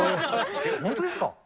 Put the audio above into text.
本当ですか？